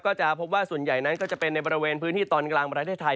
ก็จะพบว่าส่วนใหญ่นั้นก็จะเป็นในบริเวณพื้นที่ตอนกลางประเทศไทย